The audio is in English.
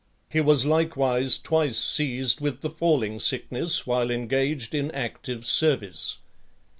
He was likewise twice seized with the falling sickness while engaged in active service.